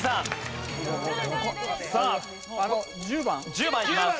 １０番いきます。